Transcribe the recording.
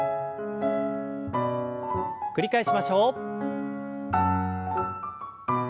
繰り返しましょう。